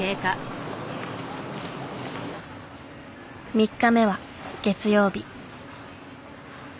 ３日目は月曜日。